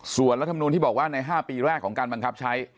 ส่วนรัฐมนูลที่บอกว่าใน๕ปีแรกของการบังคับใช้